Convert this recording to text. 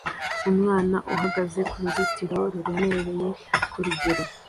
Umwana uhagaze kuruzitiro ruremereye kurugero